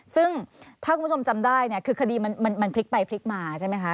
ซึ่งถ้าคุณผู้ชมจำได้เนี่ยคือคดีมันพลิกไปพลิกมาใช่ไหมคะ